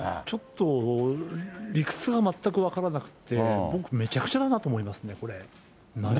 ちょっと理屈が全く分からなくて、僕、めちゃくちゃだなと思いますね。